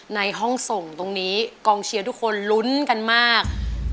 ในห้องส่งตรงนี้กองเชียร์ทุกคนลุ้นกันมาก